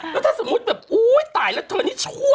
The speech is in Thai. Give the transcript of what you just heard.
แล้วถ้าสมมุติแบบอุ๊ยตายแล้วเธอนี่ชั่ว